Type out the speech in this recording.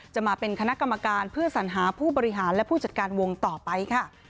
จะมาเป็นคณะกรรมการเพื่อสัญหาผู้บริหารและผู้จัดการวงต่อไปค่ะ